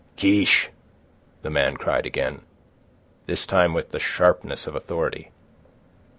"Kiche!" the man cried again, this time with sharpness and authority.